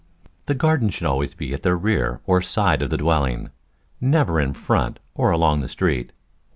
The garden should always be at the rear or side of the dwelling, never in front or along the street.